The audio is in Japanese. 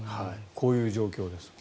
こういう状況です。